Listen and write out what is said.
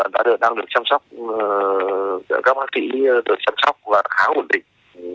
đã được chăm sóc các bác kỹ được chăm sóc và khá ổn định